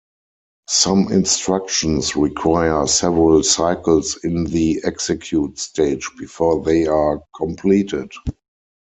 Some instructions require several cycles in the execute stage before they are completed.